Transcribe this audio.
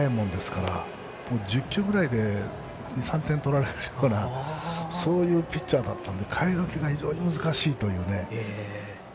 テンポが速いものですから１０球ぐらいで２３点取られるようなピッチャーだったんで代え時が難しいという。